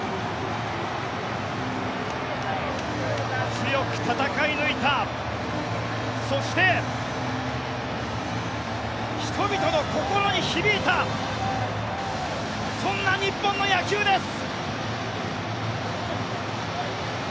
強く戦い抜いたそして人々の心に響いたそんな日本の野球です。